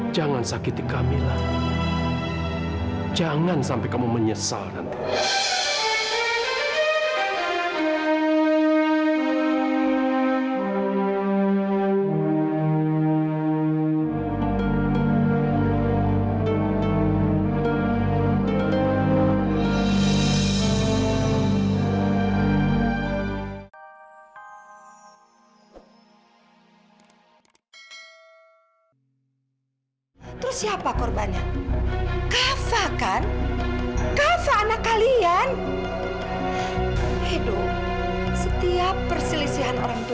jangan sakiti kami lah